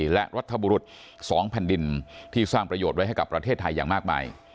และรัฐบุรุษ๒แผ่นดินที่สร้างประโยชน์ไว้ให้กับประเทศไทยอย่างมากมาย